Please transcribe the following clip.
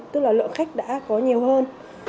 tức là lượng khách đã có nhiều hơn